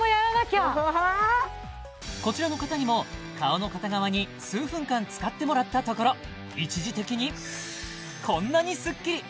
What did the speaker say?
こちらの方にも顔の片側に数分間使ってもらったところ一時的にこんなにスッキリ！